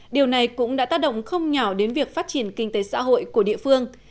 điều này cũng đã tác động không nhỏ đến việc phát triển kinh tế xã hội của địa phương